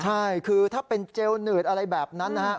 ใช่คือถ้าเป็นเจลหนืดอะไรแบบนั้นนะครับ